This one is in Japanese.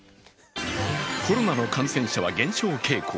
コロナの感染者は減少傾向。